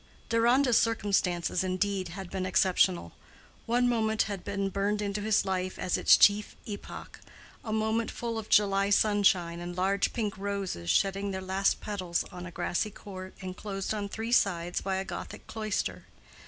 Deronda's circumstances, indeed, had been exceptional. One moment had been burned into his life as its chief epoch—a moment full of July sunshine and large pink roses shedding their last petals on a grassy court enclosed on three sides by a gothic cloister.